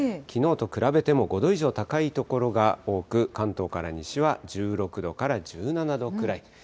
きのうと比べても、５度以上高い所が多く、関東から西は１６度から１７度くらい。